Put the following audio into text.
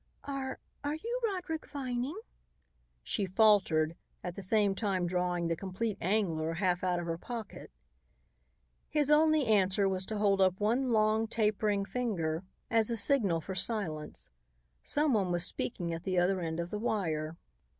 "Are are you Roderick Vining?" she faltered, at the same time drawing "The Compleat Angler" half out of her pocket. His only answer was to hold up one long, tapering finger as a signal for silence. Someone was speaking at the other end of the wire.